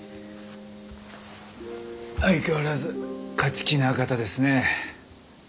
相変わらず勝ち気な方ですね。